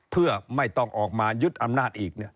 เพื่อไม่ต้องออกมายึดอำนาจอีก